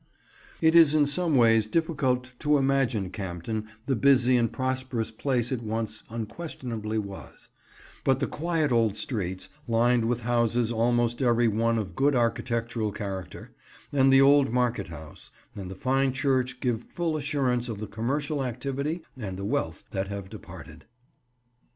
It is in some ways difficult to imagine Campden the busy and prosperous place it once unquestionably was; but the quiet old streets, lined with houses almost every one of good architectural character; and the old market house, and the fine church give full assurance of the commercial activity and the wealth that have departed.